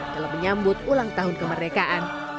dalam menyambut ulang tahun kemerdekaan